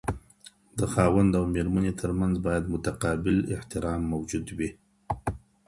د خاوند او ميرمني تر منځ بايد متقابل احترام موجود وي.